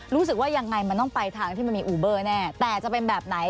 รู้สึกว่ายังไงมันต้องไปทางที่มันมีอูเบอร์แน่แต่จะเป็นแบบไหน